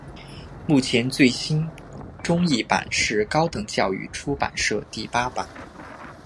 目前最新中译版是高等教育出版社第八版。